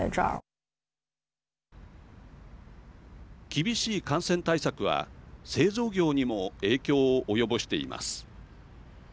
厳しい感染対策は製造業にも影響を及ぼしています。